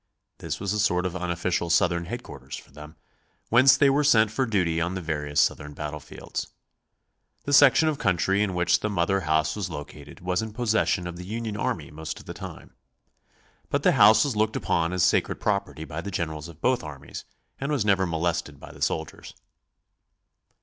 This was a sort of unofficial Southern headquarters for them, whence they were sent for duty on the various Southern battlefields. The section of country in which the Mother House was located was in possession of the Union army most of the time. But the house was looked upon as sacred property by the generals of both armies and was never molested by the soldiers.